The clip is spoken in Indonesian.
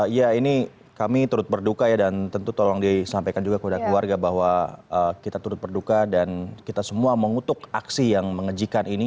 ya ini kami turut berduka ya dan tentu tolong disampaikan juga kepada keluarga bahwa kita turut berduka dan kita semua mengutuk aksi yang mengejikan ini